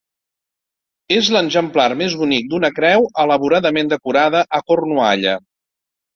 És l'exemplar més bonic d'una creu elaboradament decorada a Cornualla.